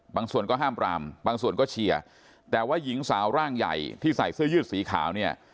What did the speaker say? ส่วนก็ห้ามปรามบางส่วนก็เชียร์แต่ว่าหญิงสาวร่างใหญ่ที่ใส่เสื้อยืดสีขาวเนี่ย